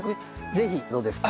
ぜひどうですか？